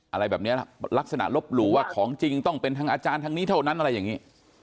อะไรแบบนี้ลักษณะลบหลู่ว่าของจริงต้องเป็นทางอาจารย์ทางนี้เท่านั้นอะไรอย่างนี้